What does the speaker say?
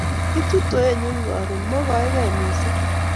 Itu tuochenyun karon mogoike missing'.